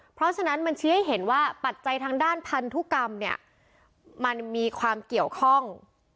เพราะฉะนั้นมันชี้ให้เห็นว่าปัจจัยทางด้านพันธุกรรมเนี่ยมันมีความเกี่ยวข้อง